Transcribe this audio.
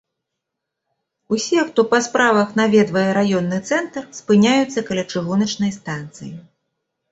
Усе, хто па справах наведвае раённы цэнтр, спыняюцца каля чыгуначнай станцыі.